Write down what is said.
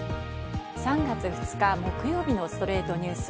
３月２日、木曜日の『ストレイトニュース』。